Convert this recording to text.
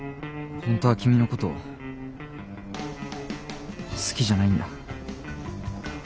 本当は君のこと好きじゃないんだ。